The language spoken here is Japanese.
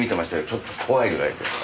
ちょっと怖いぐらいです。